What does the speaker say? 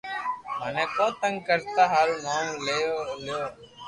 مني ڪون تنگ ڪريئا ھارون نوم لئي لي